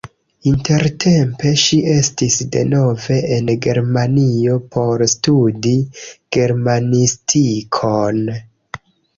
Intertempe ŝi estis denove en Germanio por studi germanistikon.